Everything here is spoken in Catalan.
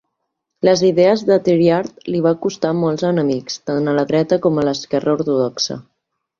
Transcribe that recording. Les idees de Thiriart li va costar molts enemics, tant a la dreta com a l'esquerra ortodoxa.